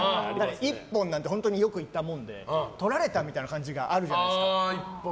一本なんて本当によく言ったもんでとられたみたいな感じがあるじゃないですか。